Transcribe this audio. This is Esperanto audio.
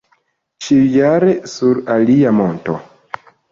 Ĉiujare sur alia monto.